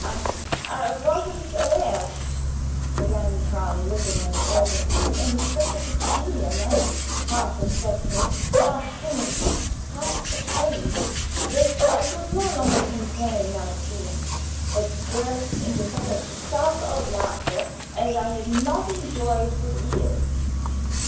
I I wasn't aware " began Karl, looking at Eugen in such a peculiar manner half respectful, half timid, half ashamed that I could no longer contain my feelings, but burst into such a shout of laughter as I had not enjoyed for years.